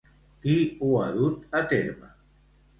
Qui ho ha dut a terme?